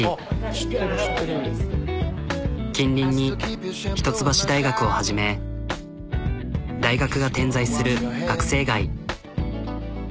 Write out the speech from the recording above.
近隣に一橋大学をはじめ大学が点在する学生街。